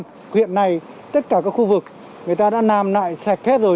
huyện này tất cả các khu vực người ta đã làm lại sạch hết rồi